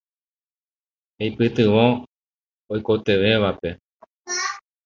Eipytyvõ oikotevẽvape.